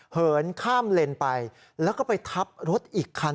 เหินข้ามเลนไปแล้วก็ไปทับรถอีกคัน